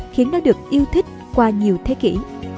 khiến nó được yêu thích qua nhiều thế kỷ